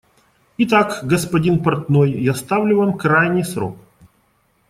Итак, господин портной, я ставлю вам крайний срок.